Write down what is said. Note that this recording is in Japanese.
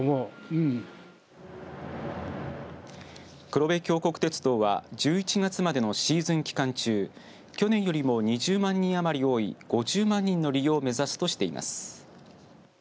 黒部峡谷鉄道は１１月までのシーズン期間中去年よりも２０万人余り多い５０万人の利用を目指すとしています。